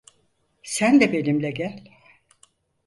Sen de benimle gel.